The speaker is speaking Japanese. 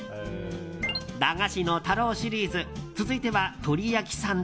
駄菓子の太郎シリーズ続いては、とり焼さん